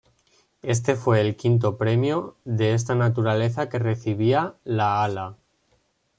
Este fue el quinto premio de esta naturaleza que recibía la Ala.